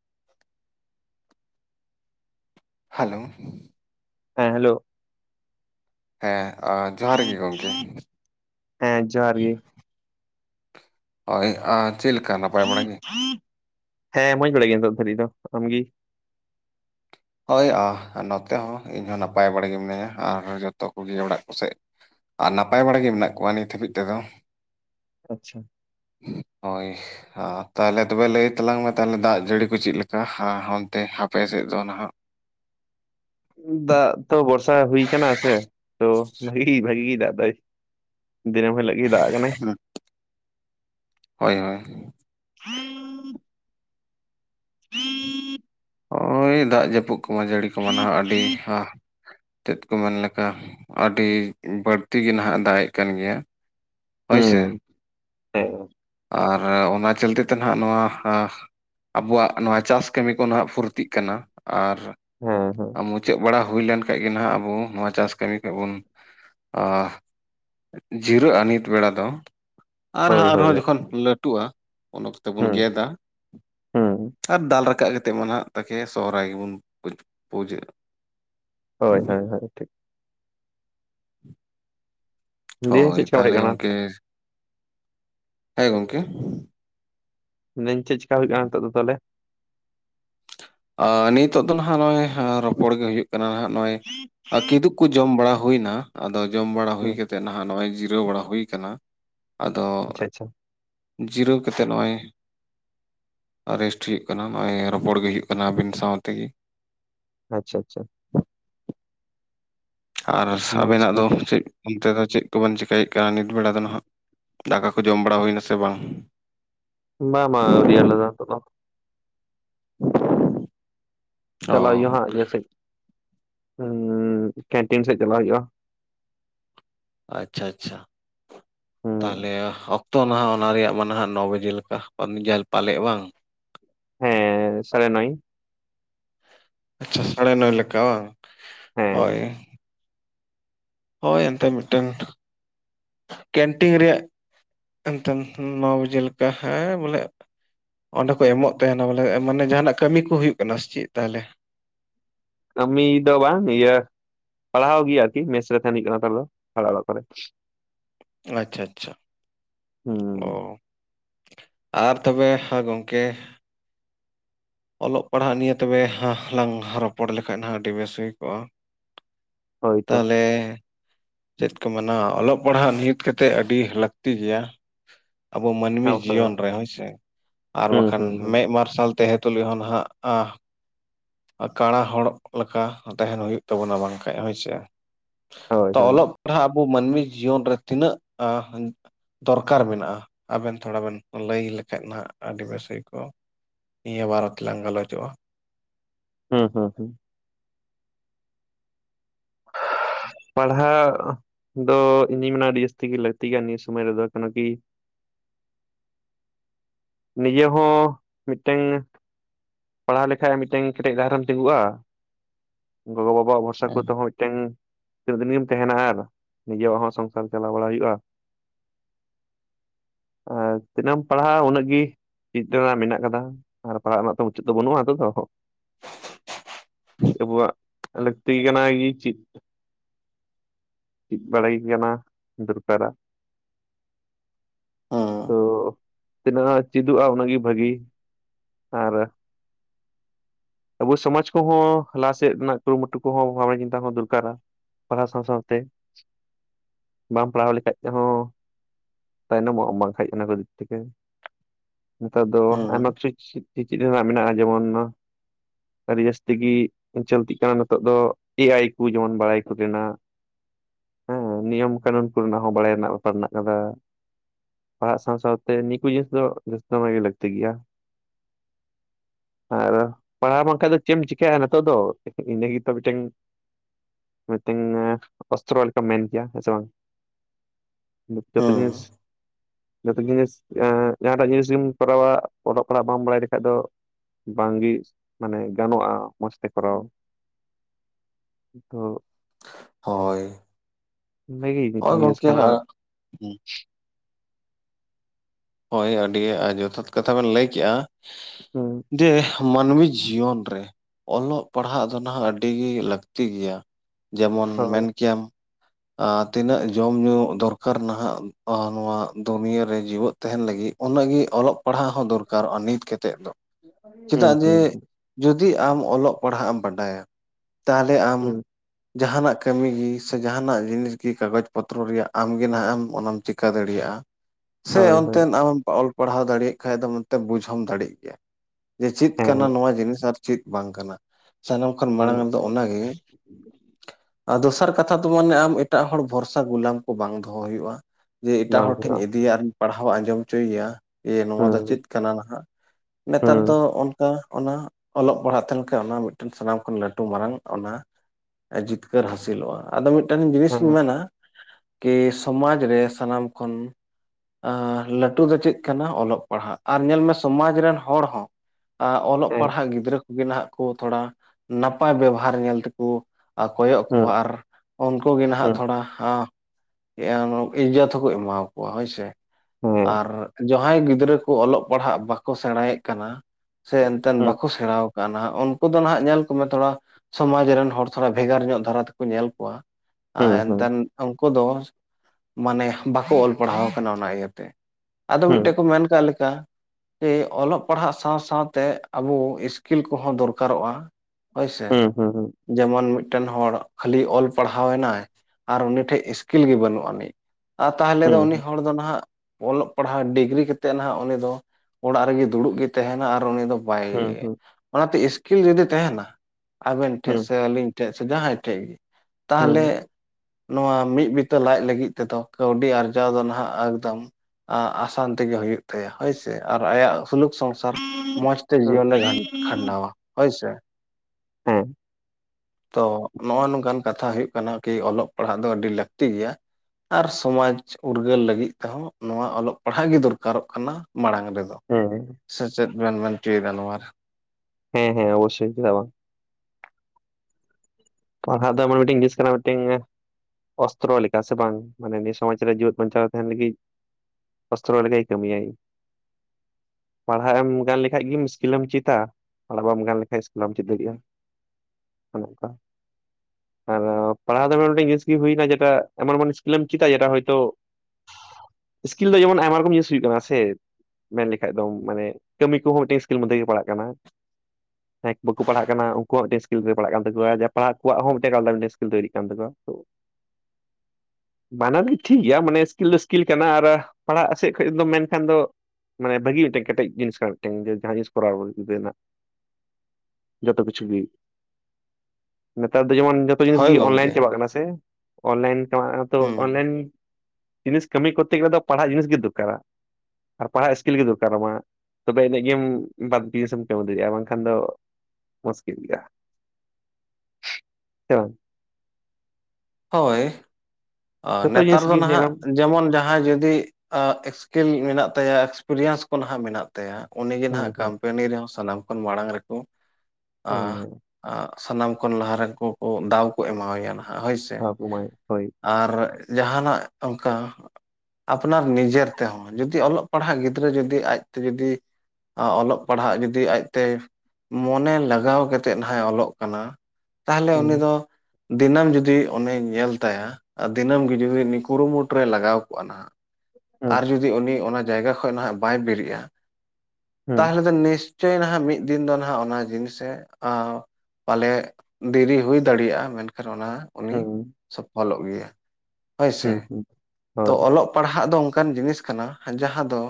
[unintelligible] Hello ᱦᱮᱸ hello ᱦᱮᱸ ᱟ ᱡᱚᱦᱟᱨ ᱜᱮ ᱜᱚᱝᱠᱮ ᱦᱮᱸ ᱡᱚᱦᱟᱨ ᱜᱮ ᱦᱳᱭ ᱟᱨ ᱦᱮᱸ ᱢᱚᱡᱽ ᱵᱟᱲᱟᱭ ᱜᱮᱭᱟᱹᱧ ᱱᱤᱛᱚᱜ ᱫᱷᱟᱹᱲᱤᱡ ᱫᱚ ᱟᱢᱜᱮ ᱦᱳᱭ ᱟ ᱱᱚᱛᱮ ᱦᱚᱸ ᱤᱧ ᱦᱚᱸ ᱱᱟᱯᱟᱭ ᱵᱟᱲᱮ ᱜᱮ ᱢᱤᱱᱟᱹᱧᱟ ᱟᱨ ᱡᱚᱛᱚ ᱠᱚᱜᱮ ᱚᱲᱟᱜ ᱠᱚᱥᱮᱜ ᱟᱨ ᱱᱟᱯᱟᱭ ᱵᱟᱲᱟ ᱜᱮ ᱢᱮᱱᱟᱜ ᱠᱚᱣᱟ ᱱᱤᱛ ᱦᱟᱹᱵᱤᱡ ᱛᱮᱫᱚ ᱟᱪᱪᱷᱟ ᱦᱳᱭ ᱟ ᱛᱟᱦᱚᱞᱮ ᱛᱚᱵᱮ ᱞᱟᱹᱭ ᱛᱟᱞᱟᱝ ᱢᱮ ᱛᱟᱦᱚᱞᱮ ᱫᱟᱜ ᱡᱟᱹᱲᱤ ᱠᱚ ᱪᱮᱫ ᱞᱮᱠᱟ ᱦᱟᱸ ᱦᱚᱱᱛᱮ ᱦᱟᱯᱮ ᱥᱮᱫ ᱫᱚ ᱱᱟᱦᱟᱸᱜ ᱫᱟᱜ ᱛᱚ ᱵᱚᱨᱥᱟ ᱦᱩᱭ ᱠᱟᱱᱟ ᱥᱮ ᱛᱚ ᱵᱷᱟᱹᱜᱤ ᱵᱷᱟᱹᱜᱤ ᱜᱤ ᱫᱟᱜ ᱫᱟᱭ ᱫᱤᱱᱟᱹᱢ ᱦᱤᱞᱚᱜ ᱜᱮ ᱫᱟᱜ ᱠᱟᱱᱟᱭ ᱦᱳᱭ ᱦᱳᱭ ᱦᱩᱸ ᱱᱚᱜᱼᱚᱭ ᱫᱟᱜ ᱡᱟᱹᱯᱩᱜ ᱠᱚᱢᱟ ᱡᱟᱹᱲᱤ ᱠᱚᱢᱟ ᱱᱟᱦᱟᱜ ᱟᱹᱰᱤ ᱦᱟ ᱛᱮᱫ ᱠᱚ ᱢᱮᱱ ᱞᱮᱠᱟ ᱟᱹᱰᱤ ᱵᱟᱹᱲᱛᱤ ᱜᱤ ᱱᱟᱦᱟᱜ ᱫᱟᱜᱼᱮᱜ ᱠᱟᱱ ᱜᱮᱭᱟ ᱦᱳᱭ ᱥᱮ ᱦᱮᱸ ᱟᱨ ᱚᱱᱟ ᱪᱟᱹᱞᱛᱤ ᱛᱮ ᱱᱟᱦᱟᱜ ᱱᱚᱣᱟ ᱟᱵᱚᱣᱟᱜ ᱱᱚᱣᱟ ᱪᱟᱥ ᱠᱟᱹᱢᱤ ᱠᱚ ᱱᱟᱦᱟᱜ ᱯᱷᱩᱨ ᱛᱤᱜ ᱠᱟᱱᱟ ᱟᱨ ᱦᱮᱸ ᱢᱩᱪᱟᱹᱫ ᱵᱟᱲᱟ ᱦᱩᱭ ᱞᱮᱱ ᱛᱮᱜ ᱜᱮ ᱱᱟᱦᱟᱸᱜ ᱟᱵᱚ ᱱᱚᱣᱟ ᱪᱟᱥ ᱠᱟᱹᱢᱤ ᱠᱷᱚᱡ ᱵᱚᱱ ᱟ ᱡᱤᱨᱟᱹᱜᱼᱟ ᱱᱤᱛ ᱵᱮᱲᱟ ᱫᱚ ᱟᱨ ᱦᱟᱸᱜ ᱦᱳᱭ ᱦᱳᱭ ᱟᱨᱦᱚᱸ ᱡᱚᱠᱷᱚᱱ ᱞᱟᱹᱴᱩᱜᱼᱟ ᱚᱱᱟ ᱚᱠᱛᱚ ᱵᱚᱱ ᱦᱩᱸ ᱜᱮᱫᱟ ᱦᱩᱸ ᱟᱨ ᱫᱟᱞ ᱨᱟᱠᱟᱜ ᱠᱟᱛᱮᱜ ᱢᱟ ᱱᱟᱦᱟᱜ ᱛᱟᱠᱮ ᱥᱚᱦᱨᱟᱭ ᱜᱮᱵᱚᱱ ᱯᱩᱡ ᱯᱩᱡᱟᱹᱭ ᱦᱳᱭ ᱦᱳᱭ ᱦᱳᱭ ᱴᱷᱤᱠ ᱫᱤᱭᱮ ᱦᱳᱭ ᱪᱮᱫ ᱪᱮᱠᱟ ᱦᱩᱭᱩᱜ ᱛᱟᱦᱚᱞᱮ ᱠᱟᱱᱟ ᱜᱚᱝᱠᱮ ᱦᱮᱸ ᱜᱚᱝᱠᱮ ᱱᱮᱧ ᱪᱮᱫ ᱪᱮᱠᱟ ᱦᱩᱭᱩᱜ ᱠᱟᱱᱟ ᱱᱤᱛᱚᱜ ᱫᱚ ᱛᱚᱦᱞᱮ ᱟ ᱱᱤᱛᱚᱜ ᱫᱚ ᱱᱟᱦᱟᱸᱜ ᱱᱚᱜᱼᱚᱭ ᱨᱚᱯᱚᱲ ᱜᱮ ᱦᱩᱭᱩᱜ ᱠᱟᱱᱟ ᱦᱟᱸᱜ ᱱᱚᱜᱼᱚᱭ ᱦᱩᱸ ᱠᱤᱫᱩᱠ ᱠᱚ ᱡᱚᱢ ᱵᱟᱲᱟ ᱦᱩᱭᱱᱟ ᱟᱫᱚ ᱡᱚᱢ ᱵᱟᱲᱟ ᱦᱩᱭ ᱠᱟᱛᱮᱜ ᱱᱟᱦᱟᱜ ᱱᱚᱜᱼᱚᱭ ᱡᱤᱨᱟᱹᱣ ᱵᱟᱲᱟ ᱦᱩᱭ ᱠᱟᱱᱟ ᱟᱫᱚ ᱟᱪᱪᱷᱟ ᱟᱪᱪᱷᱟ ᱡᱤᱨᱟᱹᱣ ᱠᱟᱛᱮᱜ ᱱᱚᱜᱼᱚᱭ ᱟᱨᱮᱥᱴ ᱦᱩᱭᱩᱜ ᱠᱟᱱᱟ ᱱᱚᱜᱼᱚᱭ ᱨᱚᱯᱚᱲ ᱜᱮ ᱦᱩᱭᱩᱜ ᱠᱟᱱᱟ ᱟᱹᱵᱤᱱ ᱥᱟᱶᱛᱮ ᱜᱮ ᱟᱪᱪᱷᱟ ᱟᱪᱪᱷᱟ ᱟᱨ ᱢᱚᱸᱡᱽ ᱥᱟᱵᱮᱱᱟᱜ ᱜᱮ ᱫᱚ ᱪᱮᱫ ᱚᱱᱛᱮ ᱫᱚ ᱪᱮᱫ ᱠᱚᱵᱮᱱ ᱪᱮᱠᱟᱭᱮᱜ ᱠᱟᱱ ᱱᱤᱛ ᱵᱮᱲᱟ ᱫᱚ ᱱᱟᱦᱟᱜ ᱫᱟᱠᱟ ᱠᱚ ᱡᱚᱢ ᱵᱟᱲᱟ ᱦᱩᱭᱱᱟ ᱥᱮ ᱵᱟᱝ ᱵᱟᱝ ᱵᱟᱝ ᱟᱹᱣᱨᱤ ᱟᱞᱮ ᱫᱚ ᱱᱤᱛᱚᱜ ᱫᱚ ᱚ ᱪᱟᱞᱟᱜ ᱦᱩᱭᱩᱜᱼᱟ ᱦᱟᱸᱜ ᱤᱭᱟᱹ ᱥᱮᱫ ᱩᱸᱻ ᱠᱮᱱᱴᱤᱱ ᱥᱮᱫ ᱪᱟᱞᱟᱜ ᱦᱩᱭᱩᱜᱼᱟ ᱟᱪᱪᱷᱟ ᱟᱪᱪᱷᱟ ᱦᱩᱸ, ᱛᱟᱦᱞᱮ ᱚᱠᱛᱚ ᱢᱟᱦᱟᱜ ᱚᱱᱟ ᱨᱮᱭᱟᱜ ᱢᱟ ᱱᱟᱦᱟᱜ ᱱᱚ ᱵᱟᱡᱮ ᱞᱮᱠᱟ [unintelligible] ᱯᱟᱞᱮᱜ ᱵᱟᱝ ᱦᱮᱸ ᱥᱟᱲᱮ ᱱᱚᱭ ᱟᱪᱪᱷᱟ ᱥᱟᱲᱮ ᱱᱚᱭ ᱞᱮᱠᱟ ᱵᱟᱝ ᱦᱮᱸ ᱦᱳᱭ ᱦᱳᱭ ᱮᱱᱛᱮ ᱢᱤᱫᱴᱮᱱ ᱠᱮᱱᱴᱤᱱ ᱨᱮᱭᱟᱜ ᱮᱱᱛᱮᱱ ᱱᱚ ᱵᱟᱡᱮ ᱞᱮᱠᱟ ᱦᱮᱸ ᱵᱚᱞᱮ ᱚᱸᱰᱮ ᱠᱚ ᱮᱢᱚᱜ ᱛᱟᱦᱮᱱᱟ ᱵᱚᱞᱮ ᱢᱟᱱᱮ ᱡᱟᱦᱟᱱᱟᱜ ᱠᱟᱹᱢᱤ ᱠᱚ ᱦᱩᱭᱩᱜ ᱠᱟᱱᱟ ᱥᱮ ᱪᱮᱫ ᱛᱟᱦᱚᱞᱮ? ᱠᱟᱹᱢᱤ ᱫᱚ ᱵᱟᱝ ᱤᱭᱟᱹ ᱯᱟᱲᱦᱟᱣ ᱜᱤ ᱟᱨᱠᱤ ᱢᱮᱥ ᱨᱮ ᱛᱟᱦᱮᱱ ᱦᱩᱭᱩᱜ ᱠᱟᱱᱟ ᱛᱟᱦᱞᱮ ᱫᱚ ᱦᱚᱲᱟᱜ ᱚᱲᱟᱜ ᱠᱚᱨᱮ ᱟᱪᱪᱷᱟ ᱟᱪᱪᱷᱟ ᱚ ᱦᱩᱸ ᱟᱨ ᱛᱚᱵᱮ ᱦᱮᱸ ᱜᱚᱝᱠᱮ ᱚᱞᱚᱜ ᱯᱟᱲᱦᱟᱜ ᱱᱤᱭᱮ ᱛᱚᱵᱮ ᱞᱟᱝ ᱨᱚᱯᱚᱲ ᱞᱮᱠᱟᱡ ᱱᱟᱦᱟᱜ ᱟᱹᱰᱤ ᱵᱮᱥ ᱦᱩᱭ ᱠᱚᱜᱼᱟ ᱦᱳᱭᱛᱚ ᱛᱟᱦᱚᱞᱮ ᱪᱮᱫ ᱠᱚ ᱢᱮᱱᱟ ᱚᱞᱚᱜ ᱯᱟᱲᱦᱟᱜ ᱱᱤᱭᱩᱛ ᱠᱟᱛᱮᱜ ᱟᱹᱰᱤ ᱞᱟᱹᱠᱛᱤ ᱜᱮᱭᱟ ᱟᱵᱚ ᱢᱟᱹᱱᱢᱤ ᱦᱮᱸ, ᱡᱤᱭᱚᱱ ᱨᱮ ᱦᱳᱭᱥᱮ ᱟᱨ ᱦᱩᱸ ᱵᱟᱠᱷᱟᱱ ᱦᱩᱸ ᱦᱩᱸ, ᱢᱮᱜ ᱢᱟᱨᱥᱟᱞ ᱛᱮᱦᱮ ᱛᱩᱞᱩᱡ ᱦᱚᱸ ᱱᱟᱦᱟᱜ ᱟᱸ ᱠᱟᱬᱟ ᱦᱚᱲᱚᱜ ᱞᱮᱠᱟ ᱛᱟᱦᱮᱱ ᱦᱩᱭᱩᱜ ᱛᱟᱵᱚᱱᱟ ᱵᱟᱝᱠᱷᱟᱡ ᱦᱳᱭ ᱥᱮ ᱦᱳᱭ ᱛᱚ ᱦᱳᱭ ᱚᱞᱚᱜ ᱯᱟᱲᱦᱟᱜ ᱟᱵᱚ ᱢᱟᱹᱱᱢᱤ ᱡᱤᱭᱚᱱ ᱨᱮ ᱛᱤᱱᱟᱹᱜ ᱟᱦ ᱛᱚᱨᱠᱟᱨ ᱢᱮᱱᱟᱜᱼᱟ? ᱟᱵᱮᱱ ᱛᱷᱚᱲᱟ ᱵᱮᱱ ᱞᱟᱹᱭ ᱞᱮᱠᱟᱡ ᱫᱚ ᱱᱟᱦᱟᱜ ᱟᱹᱰᱤ ᱵᱮᱥ ᱦᱩᱭ ᱠᱚ ᱱᱤᱭᱟᱹ ᱵᱟᱨᱮ ᱛᱮᱞᱟᱝ ᱜᱟᱞᱚᱪᱚᱜᱼᱟ ᱦᱩᱸ ᱦᱩᱸ ᱦᱩᱸ ᱯᱟᱲᱦᱟᱜ ᱫᱚ ᱤᱧᱤᱧ ᱢᱮᱱᱟ ᱟᱹᱰᱤ ᱡᱟᱹᱥᱛᱤ ᱜᱮ ᱞᱟᱹᱠᱛᱤ ᱠᱟᱱ ᱜᱮᱭᱟ ᱱᱤᱭᱟᱹ ᱥᱚᱢᱚᱭ ᱨᱮᱫᱚ ᱠᱚᱱᱚ ᱠᱤ ᱱᱤᱡᱮ ᱦᱚᱸ ᱢᱤᱫᱴᱟᱝ ᱯᱟᱲᱦᱟᱣ ᱞᱮᱠᱷᱟᱡ ᱢᱤᱫᱴᱮᱱ ᱠᱮᱴᱮᱡ ᱫᱷᱟᱨᱮᱢ ᱛᱤᱸᱜᱩᱜᱼᱟ ᱜᱚᱜᱚᱼᱵᱟᱵᱟᱣᱟᱜ ᱵᱷᱚᱨᱥᱟ ᱠᱚ ᱦᱩᱸ ᱛᱮᱦᱚᱸ ᱢᱤᱫᱴᱮᱱ ᱛᱤᱱᱟᱹᱜ ᱫᱤᱱ ᱜᱮᱢ ᱛᱟᱦᱮᱱᱟ ᱟᱨ ᱱᱤᱡᱮᱨᱟᱜ ᱦᱚᱸ ᱥᱚᱝᱥᱟᱨ ᱪᱟᱞᱟᱣ ᱵᱟᱲᱟ ᱦᱩᱭᱩᱜᱼᱟ ᱟᱨ ᱛᱤᱱᱟᱹᱜ ᱮᱢ ᱯᱟᱲᱦᱟᱜᱼᱟ ᱩᱱᱟᱹᱜ ᱪᱮᱫ ᱨᱮᱱᱟᱜ ᱢᱮᱱᱟᱜ ᱟᱠᱟᱫᱟ ᱟᱨ ᱯᱟᱲᱦᱟᱜ ᱨᱮᱱᱟᱜ ᱛᱚ ᱢᱩᱪᱟᱹᱫ ᱫᱚ ᱵᱟᱹᱱᱩᱜ ᱦᱤᱛᱚᱜ ᱫᱚ ᱟᱵᱚᱣᱟᱜ ᱞᱟᱹᱠᱛᱤ ᱠᱟᱱᱟ ᱜᱤ ᱪᱤᱜ ᱪᱤᱫ ᱵᱟᱲᱟᱭ ᱠᱟᱱᱟ ᱫᱚᱨᱠᱟᱨᱟ ᱦᱩᱸ ᱦᱳ ᱛᱤᱱᱟᱹᱜ ᱦᱟᱜ ᱪᱮᱫᱚᱜᱼᱟ ᱩᱱᱟᱹᱜ ᱜᱮ ᱵᱷᱟᱜᱤ ᱟᱨ ᱟᱵᱚ ᱥᱚᱢᱟᱡᱽ ᱠᱚᱦᱚᱸ ᱞᱟᱦᱟᱥᱮᱫ ᱨᱮᱱᱟᱜ ᱠᱩᱨᱩᱢᱩᱴᱩ ᱠᱚᱦᱚᱸ ᱵᱷᱟᱵᱽᱱᱟ ᱪᱤᱱᱛᱟ ᱦᱚᱸ ᱫᱚᱨᱠᱟᱨᱟ ᱯᱟᱲᱦᱟᱣ ᱥᱟᱶ ᱥᱟᱶᱛᱮ ᱵᱟᱢ ᱯᱟᱲᱦᱟᱣ ᱞᱮᱠᱷᱟᱡ ᱦᱚᱸ ᱛᱟᱭᱱᱚᱢᱚᱜ ᱟᱢ ᱵᱟᱝᱠᱷᱟᱡ ᱟᱱᱟ ᱠᱚ ᱫᱤᱠ ᱛᱷᱮᱠᱮ ᱱᱮᱛᱟᱨ ᱫᱚ ᱦᱩᱸ ᱟᱭᱢᱟ ᱠᱤᱪᱷᱩ ᱪᱤᱫ ᱪᱮᱫ ᱨᱮᱱᱟᱜ ᱢᱮᱱᱟᱜᱼᱟ ᱡᱮᱢᱚᱱ ᱟᱹᱰᱤ ᱡᱟᱹᱥᱛᱤ ᱜᱮ ᱪᱚᱞᱛᱤᱜ ᱠᱟᱱᱟ ᱱᱤᱛᱚᱜ ᱫᱚ ᱮ ᱟᱭ ᱠᱚ ᱡᱮᱢᱚᱱ ᱵᱟᱲᱟᱭ ᱠᱚ ᱨᱮᱱᱟᱜ ᱦᱮᱸ ᱱᱤᱭᱚᱢ ᱠᱟᱹᱱᱩᱱ ᱠᱚᱨᱮᱱᱟᱜ ᱦᱚᱸ ᱵᱟᱲᱟᱭ ᱨᱮᱱᱟᱜ ᱵᱮᱯᱟᱨ ᱢᱮᱱᱟᱜ ᱟᱠᱟᱫᱟ ᱯᱟᱲᱦᱟᱜ ᱥᱟᱶ ᱥᱟᱶ ᱛᱮ ᱱᱤᱭᱟᱹ ᱠᱚ ᱡᱤᱱᱤᱥ ᱫᱚ ᱡᱟᱹᱥᱛᱤ ᱧᱚᱜ ᱜᱮ ᱞᱟᱹᱠᱛᱤ ᱜᱮᱭᱟ ᱟᱨ ᱯᱟᱲᱦᱟᱣ ᱵᱟᱝᱠᱷᱟᱡ ᱫᱚ ᱪᱮᱫ ᱮᱢ ᱪᱤᱠᱟᱭᱟ ᱱᱤᱛᱚᱜ ᱫᱚ ᱤᱱᱟᱹ ᱜᱮᱛᱚ ᱢᱤᱫᱴᱮᱱ ᱢᱤᱫᱴᱤᱝ ᱚᱥᱛᱨᱚ ᱞᱮᱠᱟᱢ ᱢᱮᱱ ᱠᱮᱭᱟ ᱦᱮᱸᱥᱮ ᱵᱟᱝ ᱦᱩᱸ [unintelligible] ᱡᱚᱛᱚ ᱡᱤᱱᱤᱥ ᱮᱸ ᱡᱟᱦᱟᱸᱴᱟᱜ ᱡᱤᱱᱤᱥ ᱜᱮᱢ ᱠᱚᱨᱟᱣᱟ ᱚᱞᱚᱜ ᱯᱟᱲᱦᱟᱜ ᱵᱟᱢ ᱵᱟᱲᱟᱭ ᱞᱮᱠᱷᱟᱡ ᱫᱚ ᱵᱟᱝ ᱜᱤ ᱢᱟᱱᱮ ᱜᱟᱱᱚᱜᱼᱟ ᱢᱚᱡᱽ ᱛᱮ ᱠᱚᱨᱟᱣ ᱛᱚ ᱦᱳᱭ ᱚᱱᱟᱜᱮ ᱢᱤᱫᱴᱮᱱ ᱦᱳᱭ ᱡᱤᱱᱤᱥ ᱜᱚᱝᱠᱮ ᱠᱟᱱᱟ ᱦᱳᱭ ᱟᱹᱰᱤ ᱡᱚᱛᱷᱟᱛ ᱠᱟᱛᱷᱟ ᱵᱮᱱ ᱞᱟᱹᱭ ᱠᱮᱫᱼᱟ ᱦᱩᱸ ᱡᱮ ᱢᱟᱹᱱᱢᱤ ᱡᱤᱭᱚᱱ ᱨᱮ ᱚᱞᱚᱜ ᱯᱟᱲᱦᱟᱜ ᱫᱚ ᱱᱟᱦᱟᱜ ᱟᱹᱰᱤᱜᱮ ᱞᱟᱹᱠᱛᱤ ᱜᱮᱭᱟ ᱡᱮᱢᱚᱱ ᱦᱳᱭ ᱢᱮᱱ ᱠᱮᱭᱟᱢ ᱟᱸ ᱛᱤᱱᱟᱹᱜ ᱡᱚᱢ ᱧᱩ ᱫᱚᱨᱠᱟᱨ ᱱᱟᱦᱟᱜ ᱱᱚᱣᱟ ᱫᱩᱱᱤᱭᱟᱹ ᱨᱮ ᱡᱮᱣᱮᱫ ᱛᱟᱦᱮᱱ ᱞᱟᱹᱜᱤᱫ ᱩᱱᱟᱹᱜ ᱜᱮ ᱚᱞᱚᱜ ᱯᱟᱲᱦᱟᱜ ᱦᱚᱸ ᱫᱚᱨᱠᱟᱨᱚᱜᱼᱟ ᱱᱤᱛ ᱠᱮᱛᱮᱫ ᱫᱚ ᱦᱩᱸ ᱪᱮᱫᱟᱜ ᱡᱮ ᱦᱩᱸ ᱦᱩᱸ ᱡᱩᱫᱤ ᱟᱢ ᱚᱞᱚᱜ ᱯᱟᱲᱦᱟᱜ ᱮᱢ ᱵᱟᱰᱟᱭᱟ ᱛᱟᱦᱚᱞᱮ ᱟᱢ ᱦᱩᱸ ᱡᱟᱦᱟᱱᱟᱜ ᱠᱟᱹᱢᱤ ᱜᱮ ᱥᱮ ᱡᱟᱦᱟᱱᱟᱜ ᱡᱤᱱᱤᱥ ᱜᱮ ᱠᱟᱜᱚᱡᱽ ᱯᱚᱛᱨᱚ ᱨᱮᱭᱟᱜ ᱟᱢ ᱜᱮ ᱱᱟᱦᱟᱜ ᱮᱢ ᱚᱱᱟᱢ ᱪᱤᱠᱟᱹ ᱫᱟᱲᱮᱭᱟᱜᱼᱟ ᱥᱮ ᱦᱳᱭ ᱚᱱᱛᱮ ᱦᱳᱭ ᱟᱢ ᱚᱞ ᱯᱟᱲᱦᱟᱣ ᱫᱟᱲᱮᱭᱟᱜ ᱠᱷᱟᱡ ᱫᱚ ᱱᱚᱛᱮ ᱵᱩᱡ ᱦᱚᱸᱢ ᱫᱟᱲᱮᱭᱟᱜ ᱜᱮᱭᱟ ᱡᱮ ᱪᱮᱫ ᱠᱟᱱᱟ ᱦᱮᱸ ᱱᱚᱣᱟ ᱡᱤᱱᱤᱥ ᱟᱨ ᱪᱮᱫ ᱵᱟᱝ ᱠᱟᱱᱟ ᱥᱟᱱᱟᱢ ᱠᱷᱚᱱ ᱦᱮᱸ ᱢᱟᱲᱟᱝ ᱨᱮᱫᱚ ᱚᱱᱟᱜᱮ ᱟᱨ ᱫᱚᱥᱟᱨ ᱠᱟᱛᱷᱟ ᱫᱚ ᱢᱟᱱᱮ ᱟᱢ ᱮᱴᱟᱜ ᱦᱚᱲ ᱵᱷᱚᱨᱥᱟ ᱜᱩᱞᱟᱢ ᱠᱚ ᱵᱟᱝ ᱫᱚᱦᱚ ᱦᱩᱭᱩᱜᱼᱟ ᱡᱮ ᱮᱴᱟᱜ ᱵᱟᱝ ᱦᱚᱲ ᱴᱷᱮᱧ ᱦᱩᱭᱩᱜᱼᱟ ᱤᱫᱤᱭᱟ ᱟᱨᱤᱧ ᱯᱟᱲᱦᱟᱣ ᱟᱸᱡᱚᱢ ᱦᱚᱪᱚᱭᱮᱭᱟ ᱮ ᱱᱚᱣᱟ ᱫᱚ ᱪᱮᱫ ᱦᱩᱸ ᱠᱟᱱᱟ ᱱᱟᱦᱟᱜ, ᱱᱮᱛᱟᱨ ᱫᱚ ᱦᱩᱸ ᱚᱱᱠᱟ ᱚᱱᱟ ᱚᱞᱚᱜ ᱯᱟᱲᱦᱟᱜ ᱛᱟᱦᱮᱱ ᱠᱷᱟᱡ ᱚᱱᱟ ᱢᱤᱫᱴᱮᱱ ᱥᱟᱱᱟᱢ ᱠᱷᱚᱱ ᱞᱟᱹᱴᱩ ᱢᱟᱨᱟᱝ ᱚᱱᱟ ᱡᱤᱛᱠᱟᱹᱨ ᱦᱟᱹᱥᱤᱞᱚᱜᱼᱟ ᱟᱫᱚ ᱢᱤᱫ ᱴᱮᱱ ᱡᱤᱱᱤᱥᱤᱧ ᱦᱮᱸ ᱢᱮᱱᱟ ᱠᱤ ᱥᱚᱢᱟᱡᱽ ᱨᱮ ᱥᱟᱱᱟᱢ ᱠᱷᱚᱱ ᱟᱸ ᱞᱟᱹᱴᱩ ᱫᱚ ᱪᱮᱫ ᱠᱟᱱᱟ ᱚᱞᱚᱜ ᱯᱟᱲᱦᱟᱜ ᱟᱨ ᱧᱮᱞ ᱢᱮ ᱥᱚᱢᱟᱡᱽ ᱨᱮᱱ ᱦᱚᱲ ᱦᱚᱸ ᱚᱞᱚᱜ ᱦᱮᱸ ᱯᱟᱲᱦᱟᱜ ᱜᱤᱫᱽᱨᱟᱹ ᱠᱚᱜᱮ ᱱᱟᱸᱜ ᱠᱚ ᱛᱷᱚᱲᱟ ᱱᱟᱯᱟᱭ ᱵᱮᱵᱚᱦᱟᱨ ᱧᱮᱞ ᱛᱮᱠᱚ ᱠᱚᱭᱚᱜ ᱠᱚᱭᱟ ᱟᱨ ᱩᱱᱠᱩ ᱜᱮ ᱱᱟᱦᱟᱜ ᱛᱷᱚᱲᱟ ᱟᱸ ᱤᱡᱽᱡᱚᱛ ᱦᱚᱸᱠᱚ ᱮᱢᱟ ᱠᱚᱣᱟ ᱦᱳᱭ ᱥᱮ ᱟᱨ ᱡᱟᱦᱟᱸᱭ ᱜᱤᱫᱽᱨᱟᱹ ᱠᱚ ᱚᱞᱚᱜ ᱯᱟᱲᱦᱟᱜ ᱵᱟᱠᱚ ᱥᱮᱬᱟᱭᱮᱫ ᱠᱟᱱᱟ ᱥᱮ ᱮᱱᱛᱮᱱ ᱵᱟᱠᱚ ᱥᱮᱬᱟ ᱟᱠᱟᱣ ᱱᱟ ᱩᱱᱠᱩ ᱫᱚ ᱱᱟᱦᱟᱜ ᱧᱮᱞ ᱠᱚᱢᱮ ᱛᱷᱚᱲᱟ ᱥᱚᱢᱟᱡᱽ ᱨᱮᱱ ᱦᱚᱲ ᱛᱷᱚᱲᱟ ᱵᱷᱮᱜᱟᱨ ᱧᱚᱜ ᱫᱷᱟᱨᱟ ᱛᱮᱠᱚ ᱧᱮᱞ ᱠᱚᱣᱟ ᱟᱨ ᱮᱱᱛᱮᱟᱱ ᱩᱱᱠᱩ ᱫᱚ ᱢᱟᱱᱮ ᱵᱟᱠᱚ ᱚᱞ ᱯᱟᱲᱦᱟᱣ ᱠᱟᱱᱟ ᱚᱱᱟ ᱤᱭᱟᱹᱛᱮ᱾ ᱟᱫᱚ ᱢᱤᱫᱴᱮᱱ ᱠᱚ ᱢᱮᱱ ᱠᱟᱜ ᱞᱮᱠᱟ ᱦᱮᱸ ᱚᱞᱚᱜ ᱯᱟᱲᱦᱟᱜ ᱥᱟᱶ ᱥᱟᱶᱛᱮ ᱟᱵᱚ ᱥᱠᱤᱞ ᱠᱚᱦᱚᱸ ᱫᱚᱨᱠᱟᱨᱚᱜᱼᱟ ᱦᱳᱭ ᱥᱮ ᱡᱮᱢᱚᱱ ᱢᱤᱫᱴᱮᱱ ᱦᱚᱲ ᱠᱷᱟᱹᱞᱤ ᱚᱞ ᱯᱟᱲᱦᱟᱣ ᱮᱱᱟᱭ ᱟᱨ ᱩᱱᱤ ᱴᱷᱮᱱ ᱤᱠᱤᱞ ᱜᱮ ᱵᱟᱹᱱᱩᱜ ᱟᱹᱱᱤᱡ ᱟᱨ ᱛᱟᱦᱚᱞᱮ ᱫᱚ ᱩᱱᱤ ᱦᱚᱲ ᱫᱚ ᱱᱟᱜ ᱚᱞᱚᱜ ᱯᱟᱲᱦᱟᱣ ᱰᱤᱜᱽᱨᱤ ᱠᱟᱛᱮᱫ ᱱᱟᱦᱟᱜ ᱩᱱᱤ ᱫᱚ ᱚᱲᱟᱜ ᱨᱮᱜᱮ ᱫᱩᱲᱩᱵ ᱜᱮᱭ ᱛᱟᱦᱮᱱᱟ ᱟᱨ ᱩᱱᱤ ᱫᱚ ᱵᱟᱭ, ᱚᱱᱟᱛᱮ ᱥᱠᱤᱞ ᱡᱩᱫᱤ ᱛᱟᱦᱮᱱᱟ ᱟᱵᱮᱱ ᱴᱷᱮᱡ ᱥᱮ ᱟᱹᱞᱤᱧ ᱴᱷᱮᱡ ᱥᱮ ᱡᱟᱦᱟᱸᱭ ᱴᱷᱮᱡ ᱜᱮ ᱛᱟᱦᱚᱞᱮ ᱱᱚᱣᱟ ᱢᱤᱫ ᱵᱤᱛᱟᱹ ᱞᱟᱡ ᱞᱟᱹᱜᱤᱫ ᱛᱮᱫᱚ ᱠᱟᱹᱣᱰᱤ ᱟᱨᱡᱟᱣ ᱫᱚ ᱱᱟᱦᱟᱜ ᱮᱠᱫᱚᱢ ᱟᱥᱟᱱ ᱛᱤᱜᱮ ᱦᱩᱭᱩᱜ ᱛᱟᱭᱟ ᱦᱳᱭᱥᱮ ᱟᱨ ᱟᱭᱟᱜ ᱥᱩᱞᱩᱠ ᱥᱚᱝᱥᱟᱨ ᱢᱚᱸᱡᱽ ᱛᱮ ᱡᱤᱭᱚᱱ ᱠᱷᱟᱱᱰᱟᱣᱟ ᱦᱳᱭ ᱥᱮ ᱦᱮᱸ ᱛᱚ ᱱᱚᱜᱼᱚ ᱱᱚᱝᱠᱟᱱ ᱠᱟᱛᱷᱟ ᱦᱳᱭᱳᱜ ᱠᱟᱱᱟ ᱠᱤ ᱚᱞᱚᱜ ᱯᱟᱲᱦᱟᱜ ᱫᱚ ᱟᱹᱰᱤ ᱞᱟᱹᱠᱛᱤ ᱜᱮᱭᱟ ᱟᱨ ᱥᱚᱢᱟᱡᱽ ᱩᱨᱜᱟᱹᱞ ᱞᱟᱹᱜᱤᱫ ᱛᱮᱦᱚᱸ ᱱᱚᱣᱟ ᱚᱞᱚᱜ ᱯᱟᱲᱦᱟᱜ ᱜᱮ ᱫᱚᱨᱠᱟᱨᱚᱜ ᱠᱟᱱᱟ ᱢᱟᱲᱟᱝ ᱨᱮᱫᱚ ᱦᱮᱸ ᱦᱮᱸ ᱦᱮᱸ ᱥᱮ ᱪᱮᱫ ᱵᱮᱱ ᱢᱮᱱ ᱦᱚᱪᱚᱭᱮᱫᱟ ᱱᱚᱣᱟ ᱨᱮ ᱦᱮᱸ ᱦᱮᱸ ᱚᱵᱚᱥᱥᱚᱭ ᱪᱮᱫᱟ ᱵᱟᱝ ᱯᱟᱲᱦᱟᱣ ᱫᱚ ᱮᱢᱚᱱ ᱢᱤᱫᱴᱤᱝ ᱡᱤᱱᱤᱥ ᱠᱟᱱᱟ ᱢᱤᱫᱴᱤᱝ ᱚᱥᱛᱨᱚ ᱞᱮᱠᱟ ᱥᱮ ᱵᱟᱝ ᱢᱟᱱᱮ ᱱᱤᱭᱟᱹ ᱥᱚᱢᱟᱡ ᱨᱮ ᱡᱮᱣᱮᱫ ᱵᱟᱧᱪᱟᱣ ᱛᱟᱦᱮᱱ ᱞᱟᱹᱜᱤᱫ ᱚᱥᱛᱨᱚ ᱞᱮᱠᱟᱭ ᱠᱟᱹᱢᱤᱭᱟᱭ ᱯᱟᱲᱦᱟᱜ ᱮᱢ ᱜᱟᱱ ᱞᱮᱠᱷᱟᱡ ᱜᱮ ᱩᱥᱠᱤᱞ ᱦᱚᱢ ᱪᱮᱫᱟ ᱛᱟᱦᱞᱮ ᱵᱟᱢ ᱜᱟᱱ ᱞᱮᱠᱷᱟᱡ ᱤᱥᱠᱤᱞ ᱵᱟᱢ ᱪᱮᱫ ᱫᱟᱲᱮᱭᱟᱜᱼᱟ᱾ ᱚᱱᱮ ᱚᱱᱠᱟ ᱟᱨᱚ ᱯᱟᱲᱦᱟᱣ ᱫᱚ ᱱᱚᱰᱮ ᱵᱮᱥ ᱜᱮ ᱦᱳᱭ ᱱᱟ ᱡᱮᱴᱟ ᱮᱢᱚᱱ ᱮᱢᱚᱱ ᱤᱥᱠᱤᱞ ᱮᱢ ᱪᱮᱫᱟ ᱡᱮᱴᱟ ᱦᱳᱭ ᱛᱚ ᱥᱠᱤᱞ ᱫᱚ ᱡᱮᱢᱚᱱ ᱟᱭᱢᱟ ᱨᱚᱠᱚᱢ ᱡᱤᱱᱤᱥ ᱦᱩᱭᱩᱜ ᱠᱟᱱᱟ ᱥᱮ ᱢᱮᱱ ᱞᱮᱠᱷᱟᱡ ᱫᱚ ᱢᱟᱱᱮ ᱠᱟᱹᱢᱤ ᱠᱚᱦᱚᱸ ᱢᱤᱫᱴᱮᱱ ᱥᱠᱤᱞ ᱢᱚᱫᱫᱷᱮ ᱜᱮ ᱯᱟᱲᱟᱜ ᱠᱟᱱᱟ ᱡᱟᱦᱟᱸᱭ ᱠᱚ ᱵᱟᱠᱚ ᱯᱟᱲᱦᱟᱜ ᱠᱟᱱᱟ ᱩᱱᱠᱩᱣᱟᱜ ᱢᱤᱫᱴᱮᱱ ᱥᱠᱤᱞ ᱨᱮ ᱯᱟᱲᱦᱟᱜ ᱠᱟᱱ ᱛᱟᱠᱚᱣᱟ ᱡᱟ ᱯᱟᱲᱦᱟᱜ ᱠᱚᱣᱟᱜ ᱦᱚᱸ ᱢᱤᱫᱴᱮᱱ ᱟᱞᱟᱫᱟ ᱢᱤᱫᱴᱮᱱ ᱥᱠᱤᱞ ᱛᱳᱭᱨᱤᱜ ᱠᱟᱱ ᱛᱟᱠᱚᱣᱟ ᱹᱹᱹ ᱵᱟᱱᱟᱨ ᱜᱮ ᱴᱷᱤᱠ ᱜᱮᱭᱟ ᱢᱟᱱᱮ ᱥᱠᱤᱞ ᱥᱠᱤᱞ ᱠᱟᱱᱟ ᱟᱨ ᱯᱟᱲᱦᱟᱜ ᱥᱮᱫ ᱠᱷᱚᱡ ᱫᱚ ᱢᱮᱱᱠᱷᱟᱱ ᱫᱚ ᱢᱟᱱᱮ ᱵᱷᱟᱹᱜᱤ ᱢᱤᱫᱴᱮᱡ ᱠᱮᱴᱮᱡ ᱡᱤᱱᱤᱥ ᱠᱟᱱᱟ ᱢᱤᱫᱴᱮᱱ ᱡᱟᱦᱟᱸ ᱡᱤᱱᱤᱥ ᱠᱚᱨᱟᱣ ᱨᱮᱱᱟᱜ ᱡᱚᱛᱚ ᱠᱤᱪᱷᱩ ᱜᱮ ᱱᱮᱛᱟᱨ ᱫᱚ ᱡᱮᱢᱚᱱ ᱡᱚᱛᱚ ᱡᱤᱱᱤᱥ ᱦᱳᱭ ᱜᱮ ᱚᱱᱞᱟᱭᱤᱱ ᱜᱚᱝᱠᱮ ᱪᱟᱵᱟᱜ ᱠᱟᱱᱟ ᱥᱮ ᱚᱱᱞᱟᱭᱤᱱ ᱨᱮᱭᱟᱜ ᱦᱚᱸ ᱛᱚ ᱦᱩᱸ ᱚᱱᱞᱟᱭᱤᱱ ᱡᱤᱱᱤᱥ ᱠᱟᱹᱢᱤ ᱠᱚᱨᱛᱮ ᱜᱮᱞᱮᱫᱚ ᱯᱟᱲᱦᱟᱜ ᱡᱤᱱᱤᱥ ᱜᱮ ᱫᱚᱨᱠᱟᱨᱟ ᱟᱨ ᱯᱟᱲᱦᱟᱜ ᱥᱠᱤᱞ ᱜᱮ ᱫᱚᱨᱠᱟᱨᱟᱢᱟ ᱛᱚᱵᱮ ᱤᱱᱟᱹᱜ ᱜᱮᱭᱮᱢ ᱵᱟᱨ ᱫᱤᱭᱮ ᱥᱮᱢᱟ ᱠᱟᱹᱢᱤ ᱫᱟᱲᱮᱭᱟᱜᱼᱟ ᱵᱟᱝᱠᱷᱟᱱ ᱫᱚ ᱢᱩᱥᱠᱤᱞ ᱜᱮᱭᱟ ᱹᱹᱹᱦᱮ ᱵᱟᱝ ᱦᱳᱭ ᱡᱚᱛᱚ ᱱᱮᱛᱟᱨ ᱡᱤᱱᱤᱥ ᱫᱚ ᱜᱮ ᱱᱟᱦᱟᱜ ᱧᱮᱞᱟᱢ ᱡᱮᱢᱚᱱ ᱡᱟᱦᱟᱸᱭ ᱡᱩᱫᱤ ᱥᱠᱤᱞ ᱢᱮᱱᱟᱜ ᱛᱟᱭᱟ ᱮᱠᱥᱯᱮᱨᱤᱭᱮᱱᱥ ᱠᱚ ᱱᱟᱦᱟᱜ ᱢᱮᱱᱟᱜ ᱛᱟᱭᱟ ᱩᱱᱤᱜᱮ ᱦᱩᱸ ᱱᱟᱦᱟᱜ ᱠᱳᱢᱯᱟᱱᱤ ᱨᱮᱦᱚᱸ ᱥᱟᱱᱟᱢ ᱠᱷᱚᱱ ᱢᱟᱲᱟᱝ ᱨᱮᱠᱚ ᱦᱩᱸ ᱥᱟᱱᱟᱢ ᱠᱷᱚᱱ ᱞᱟᱦᱟ ᱨᱮᱠᱚ ᱫᱟᱣ ᱠᱚ ᱮᱢᱟᱣᱮᱭᱟ ᱱᱟᱦᱟᱜ ᱦᱳᱭ ᱥᱮ ᱹᱹᱹ ᱦᱳᱭ ᱟᱨ ᱡᱟᱦᱟᱱᱟᱜ ᱚᱝᱠᱟ ᱟᱯᱱᱟᱨ ᱱᱤᱡᱮᱨ ᱛᱮᱦᱚᱸ ᱡᱩᱫᱤ ᱚᱞᱚᱜ ᱯᱟᱲᱦᱟᱜ ᱜᱤᱫᱽᱨᱟᱹ ᱡᱩᱫᱤ ᱟᱡᱛᱮ ᱡᱩᱫᱤ ᱚᱞᱚᱜ ᱯᱟᱲᱦᱟᱜ ᱡᱩᱫᱤ ᱟᱡᱛᱮ ᱢᱚᱱᱮ ᱞᱟᱜᱟᱣ ᱠᱟᱛᱮᱫ ᱱᱟᱟᱭ ᱚᱞᱚᱜ ᱠᱟᱱᱟ ᱛᱟᱦᱚᱞᱮ ᱩᱱᱤ ᱫᱚ ᱫᱤᱱᱟᱹᱢ ᱡᱩᱫᱤ ᱩᱱᱤ ᱧᱮᱞ ᱛᱟᱭᱟ ᱟᱨ ᱫᱤᱱᱟᱹᱢ ᱜᱮ ᱡᱩᱫᱤ ᱩᱱᱤ ᱠᱩᱨᱩᱢᱩᱴᱩ ᱨᱮᱭ ᱞᱟᱜᱟᱣ ᱠᱚᱜᱼᱟ ᱱᱟᱦᱟᱜ ᱟᱨ ᱡᱩᱫᱤ ᱩᱱᱤ ᱚᱱᱟ ᱡᱟᱭᱜᱟ ᱠᱷᱚᱱ ᱱᱟᱦᱟᱜ ᱵᱟᱭ ᱵᱮᱨᱮᱜᱼᱟ ᱛᱟᱦᱚᱞᱮ ᱫᱚ ᱱᱮᱥ ᱦᱚᱪᱚᱭᱮ ᱱᱟᱦ ᱢᱤᱫ ᱫᱤᱱ ᱫᱚ ᱱᱟᱦᱟᱜ ᱚᱱᱟ ᱡᱤᱱᱤᱥᱮ ᱹᱹ ᱯᱟᱞᱮ ᱫᱮᱨᱤ ᱦᱩᱭ ᱫᱟᱲᱮᱭᱟᱜᱼᱟ ᱢᱮᱱ ᱮᱠᱷᱟᱱ ᱚᱱᱟ ᱩᱱᱤ ᱥᱚᱯᱷᱚᱞᱚᱜ ᱜᱮᱭᱟ ᱦᱳᱭ ᱥᱮ ᱛᱚ ᱚᱞᱚᱜ ᱯᱟᱲᱦᱟᱜ ᱫᱚ ᱚᱱᱠᱟᱱ ᱡᱤᱱᱤᱥ ᱠᱟᱱᱟ ᱡᱟᱦᱟᱸ ᱫᱚ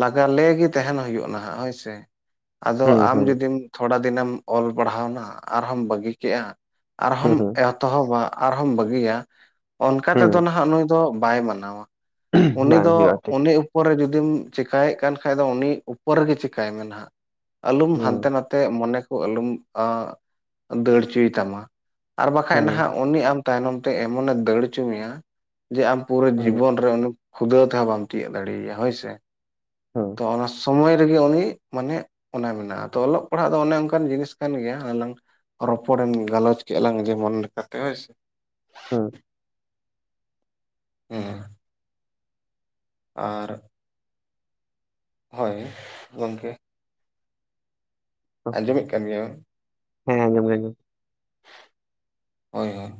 ᱞᱟᱜᱟᱞᱮ ᱜᱮ ᱛᱟᱦᱮᱱ ᱦᱩᱭᱩᱜ ᱱᱟᱦᱟᱸᱜ ᱦᱳᱭ ᱥᱮ ᱟᱫᱚ ᱟᱢ ᱡᱩᱫᱤᱢ ᱛᱷᱚᱲᱟ ᱫᱤᱱᱮᱢ ᱚᱞ ᱯᱟᱲᱦᱟᱣᱱᱟ ᱟᱨᱦᱚᱢ ᱵᱟᱹᱜᱤ ᱠᱮᱜᱼᱟ ᱟᱨᱦᱚᱢ ᱮᱛᱚᱦᱚᱵᱟ ᱟᱨᱦᱚᱢ ᱵᱟᱹᱜᱤᱭᱟ ᱚᱱᱠᱟ ᱛᱮᱫᱚ ᱱᱟᱦᱟᱸᱜ ᱱᱩᱭ ᱵᱟᱭ ᱢᱟᱱᱟᱣᱟ ᱩᱱᱤ ᱫᱚ ᱩᱱᱤ ᱯᱚᱨᱮ ᱡᱩᱫᱤᱢ ᱪᱮᱠᱟᱭᱮᱫ ᱠᱟᱱ ᱠᱷᱟ ᱫᱚ ᱩᱱᱤ ᱩᱯᱚᱨ ᱨᱮᱜᱮ ᱪᱮᱠᱟᱭ ᱢᱮ ᱦᱟᱸᱜ ᱟᱞᱚᱢ ᱦᱟᱱᱛᱮ ᱱᱟᱛᱮ ᱛᱮ ᱢᱚᱱᱮ ᱠᱚ ᱟᱞᱚᱢ ᱫᱟᱹᱲ ᱦᱚᱪᱚᱭ ᱛᱟᱢᱟ ᱟᱨ ᱵᱟᱠᱷᱟᱡ ᱱᱟᱦᱟᱸᱜ ᱩᱱᱤ ᱟᱢ ᱛᱟᱭᱱᱚᱢ ᱛᱮ ᱮᱢᱚᱱ ᱮ ᱫᱟᱹᱲ ᱦᱚᱪᱚ ᱢᱮᱭᱟ ᱡᱮ ᱟᱢ ᱯᱩᱨᱟᱹ ᱡᱤᱵᱚᱱ ᱨᱮ ᱠᱷᱩᱫᱟᱹ ᱛᱮᱦᱚᱸ ᱵᱟᱢ ᱛᱤᱭᱟᱹᱜ ᱫᱟᱲᱮᱭᱟᱭᱟ ᱦᱳᱭᱥ ᱛᱚ ᱚᱱᱟ ᱥᱚᱢᱚᱭ ᱨᱮᱜᱮ ᱩᱱᱤ ᱢᱟᱱᱮ ᱚᱱᱟ ᱢᱮᱱᱟᱜᱼᱟ ᱛᱚ ᱚᱞᱚᱜ ᱯᱟᱲᱦᱟᱜ ᱫᱚ ᱚᱱᱮ ᱚᱱᱠᱟᱱ ᱡᱤᱱᱤᱥ ᱠᱟᱱ ᱜᱮᱭᱟ ᱦ ᱞᱝ ᱨᱚᱯᱚᱲᱮᱢ ᱜᱟᱞᱚᱪ ᱠᱮᱫᱼᱟ ᱞᱟᱝ ᱡᱮᱢᱚᱱ ᱞᱮᱠᱟᱛᱮ ᱦᱳᱭᱥ ᱦᱮᱸ [unintelligible] ᱟᱨ ᱦᱳᱭ ᱜᱚᱢᱠᱮ ᱟᱸᱡᱚᱢᱮᱫ ᱠᱟᱱ ᱜᱮᱭᱭᱟ ᱦᱮᱸ ᱟᱸᱚᱢ ᱜᱸᱚᱢ ᱦᱳᱭ ᱦᱳᱭ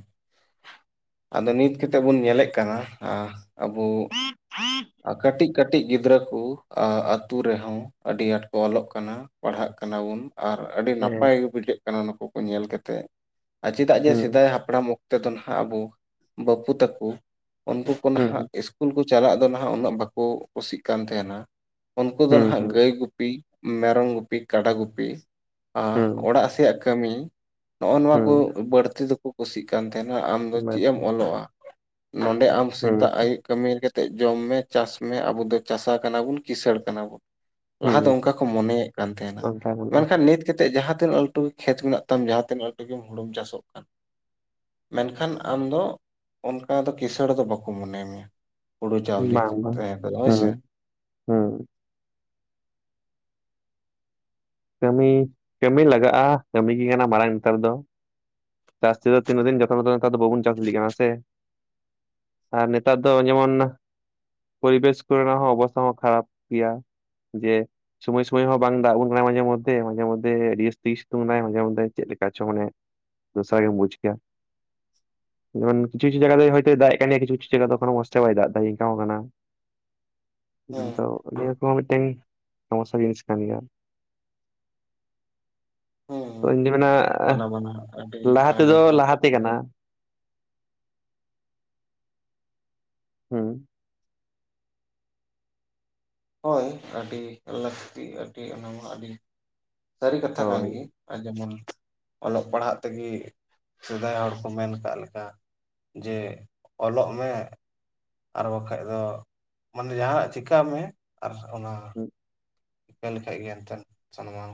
ᱟᱫᱚ ᱱᱤᱛ ᱠᱟᱛᱮᱜ ᱵᱚᱱ ᱧᱮᱞᱮᱫ ᱠᱟᱱᱟ ᱟᱵᱩ ᱦᱸ [unintelligible] ᱠᱟᱹᱴᱤᱡ ᱠᱟᱹᱴᱤᱡ ᱜᱤᱫᱽᱨᱟᱹ ᱠᱩ ᱟ. ᱛᱩ ᱨᱮᱦᱚᱸ ᱟᱹᱰᱤ ᱟᱸᱴ ᱠᱚ ᱚᱞᱚᱜ ᱠᱟᱱᱟ ᱯᱟᱲᱦᱟᱜ ᱠᱟᱱᱟᱵᱩᱱ ᱟᱨ ᱟᱹᱰᱤ ᱱᱟᱯᱟᱭ ᱜᱮ ᱵᱩᱡᱷᱟᱹᱜ ᱠᱟᱱᱟ ᱱᱩᱠᱩ ᱠᱚ ᱧᱮᱞ ᱠᱟᱛᱮᱫ ᱟᱨ ᱪᱮᱫᱟᱜ ᱡᱮ ᱥᱮᱫᱟᱭ ᱦᱟᱯ ᱦᱟᱯᱲᱟᱢ ᱚᱠᱛᱮ ᱫᱚ ᱱᱟᱸᱜ ᱟᱵᱚ ᱵᱟᱯᱩ ᱛᱟᱠᱚ ᱩᱱᱠᱩ ᱠᱚ ᱱᱟᱦᱟᱸᱜ ᱤᱥᱠᱩᱞ ᱠᱚ ᱪᱟᱞᱟᱜ ᱩᱱᱠᱩ ᱫᱚ ᱦᱟᱹᱜ ᱵᱟᱠᱚ ᱠᱩᱥᱤᱜ ᱠᱟᱱ ᱛᱟᱦᱮᱱᱟ ᱩᱱᱠᱩ ᱫᱚ ᱱᱟᱦᱟᱸᱜ ᱜᱟᱹᱭ ᱜᱩ ᱜᱩᱯᱤ ᱢᱮᱨᱚᱢ ᱜᱩᱯᱤ ᱠᱟᱰᱟ ᱜᱩᱯᱤ ᱟᱜ ᱚᱲᱟᱜ ᱥᱮᱭᱟᱜ ᱠᱟᱹᱢᱤ ᱱᱚᱜᱼᱚᱭ ᱱᱚᱣᱟ ᱠᱚ ᱵᱟᱹᱲᱛᱤ ᱫᱚᱠᱚ ᱠᱩᱥᱤᱜ ᱠᱟᱱ ᱛᱟᱦᱮᱱᱟ ᱟᱢᱫᱚ ᱪᱮᱫ ᱮᱢ ᱚᱞᱚᱜᱼᱟ ᱱᱚᱰᱮ ᱟᱢ ᱥᱮᱛᱟᱜ ᱟᱹᱭᱩᱵ ᱠᱟᱹᱢᱤ ᱠᱟᱛᱮ ᱡᱚᱢ ᱢᱮ ᱪᱟᱥ ᱢᱮ ᱟᱵᱚ ᱫᱚ ᱪᱟᱥᱟ ᱠᱟᱱᱟ ᱵᱩᱱ ᱠᱤᱥᱟᱹᱲ ᱠᱟᱱᱟ ᱵᱩᱱ ᱞᱟᱦᱟ ᱫᱚ ᱚᱱᱠᱟ ᱠᱚ ᱢᱚᱱᱮᱭᱮᱫ ᱠᱟᱱ ᱛᱟᱦᱮᱱᱟ ᱢᱮᱱᱠᱷᱟᱱ ᱱᱤᱛ ᱠᱟᱛᱮ ᱡᱟᱦᱟᱸ ᱛᱤᱱᱟᱹᱜ ᱞᱟᱹᱴᱩ ᱜᱮ ᱠᱷᱮᱛ ᱢᱮᱱᱟᱜ ᱛᱟᱢ ᱡᱟᱦᱟᱸ ᱛᱤᱱᱟᱹᱜ ᱞᱟᱹᱴᱩ ᱜᱮ ᱪᱟᱥᱚᱜ ᱠᱟᱱ ᱢᱮᱱᱠᱷᱟᱱ ᱟᱢ ᱫᱚ ᱚᱱᱠᱟ ᱫᱚ ᱠᱤᱥᱟᱹᱲ ᱫᱚ ᱵᱟᱠᱚ ᱢᱚᱱᱮᱭ ᱢᱮᱭᱟ ᱦᱩᱲᱩ ᱪᱟᱣᱞᱤ ᱨᱮᱠᱚ ᱦᱳᱭ ᱥᱮ ᱦᱩᱸ ᱠᱟᱹᱢᱤ ᱠᱟᱹᱢᱤ ᱞᱟᱜᱟᱜᱼᱟ ᱠᱟᱹᱢᱤ ᱜᱮ ᱠᱟᱱᱟ ᱢᱟᱨᱟᱝ ᱱᱮᱛᱟᱨ ᱫᱚ ᱪᱟᱥ ᱛᱮ ᱫᱚ ᱛᱤᱱᱟᱹ ᱫᱤᱱ ᱡᱚᱛᱚᱱᱚ ᱱᱮᱛᱟᱨ ᱫᱚ ᱵᱟᱵᱚᱱ ᱪᱟᱥ ᱤᱫᱤ ᱠᱟᱱᱟ ᱥᱮ ᱟᱨ ᱱᱮᱛᱟᱨ ᱫᱚ ᱡᱮᱢᱚᱱ ᱯᱚᱨᱤᱵᱮᱥ ᱠᱚᱨᱮ ᱱᱟ ᱦᱚᱸ ᱚᱵᱚᱥᱛᱷᱟ ᱦᱚᱸ ᱠᱷᱟᱨᱟᱯ ᱜᱮᱭᱟ᱾ ᱡᱮ ᱥᱚᱢᱚᱭ ᱥᱚᱢᱚᱭ ᱦᱚᱸ ᱵᱟᱝ ᱫᱟᱜ ᱵᱚᱱ ᱠᱟᱱᱟᱭ ᱱᱚᱜᱼᱚᱭ ᱡᱮᱢᱚᱱ ᱛᱮ ᱢᱟᱡᱷᱮ ᱢᱚᱫᱫᱷᱮ ᱡᱟᱹᱥᱛᱤ ᱥᱤᱛᱩᱝ ᱮᱱᱟᱭ ᱢᱟᱡᱷᱮ ᱢᱚᱫᱫᱷᱮ ᱪᱮ ᱪᱚᱝ ᱢᱟᱱᱮ ᱫᱚᱥᱟᱨ ᱜᱮᱢ ᱵᱩᱡ ᱠᱮᱭᱟ᱾ ᱡᱮᱢᱚᱱ ᱠᱤᱪᱷᱩ ᱠᱤᱪᱷᱩ ᱡᱟᱭᱜᱟ ᱫᱚ ᱦᱚᱭ ᱛᱚ ᱫᱟᱜ ᱠᱟᱱ ᱜᱮᱭᱟ ᱠᱤᱪᱷᱩ ᱠᱤᱪᱷᱩ ᱡᱟᱭᱜᱟ ᱫᱚ ᱢᱚᱥ ᱵᱟᱭ ᱫᱟᱜ ᱱᱤᱝᱠᱟᱹ ᱠᱟᱱᱟ ᱦᱮᱸ ᱛᱚ ᱱᱤᱭᱟᱹ ᱠᱚᱦᱚᱸ ᱢᱤᱫᱴᱮᱱ ᱥᱚᱢᱚᱥᱟ ᱡᱤᱱᱤᱥ ᱠᱟᱱ ᱜᱮᱭᱟ ᱦᱮᱸ ᱩᱱᱡᱚ ᱱᱟ [unintelligible] ᱞᱟᱦᱟ ᱛᱮᱫᱚ ᱡᱚᱛᱷᱟᱛ ᱞᱟᱦᱟᱛᱮ ᱠᱟᱛᱷᱟ ᱠᱟᱱᱟ ᱦᱩᱸ ᱦᱳᱭ ᱟᱹᱰᱤ ᱞᱟᱹᱠᱛᱤ ᱟᱹᱰᱤ ᱚᱱᱟ ᱟᱹᱰᱤ ᱥᱟᱹᱨᱤ ᱠᱟᱛᱷᱟ ᱠᱟᱱ ᱦᱳᱭ ᱜᱮ ᱟᱨ ᱡᱮᱢᱚᱱ ᱚᱞᱚᱜ ᱯᱟᱲᱦᱟᱜ ᱛᱮᱜᱮ ᱥᱮᱫᱟᱭ ᱦᱚᱲ ᱠᱚ ᱢᱮᱱ ᱟᱠᱟᱜ ᱞᱮᱠᱟᱜ ᱡᱮ ᱚᱞᱚᱜ ᱢᱮ ᱟᱨ ᱵᱟᱠᱷᱟᱡ ᱫᱚ ᱢᱟᱱᱮ ᱡᱟᱦᱟᱱᱟᱜ ᱪᱤᱠᱟᱭ ᱢᱮ ᱟᱨ ᱚᱱᱟ ᱪᱤᱠᱟᱹ ᱞᱮᱠᱷᱟ ᱜᱮ ᱮᱱᱛᱮ ᱡᱟᱱᱣᱟ